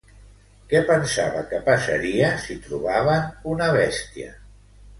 Què pensava que passaria si trobaven una bèstia?